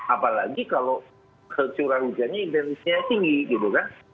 apalagi kalau curah hujannya intensnya tinggi gitu kan